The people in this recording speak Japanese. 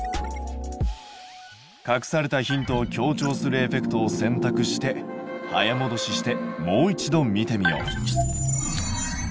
隠されたヒントを強調するエフェクトを選択して早もどししてもう一度見てみよう。